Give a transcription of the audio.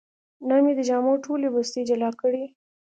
نن مې د جامو ټولې بستې جلا کړې.